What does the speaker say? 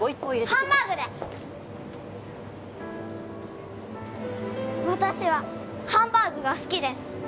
ハンバーグで私はハンバーグが好きです